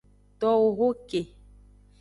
Towo ho ke.